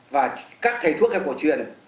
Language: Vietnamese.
và các thầy thuốc hay cổ truyền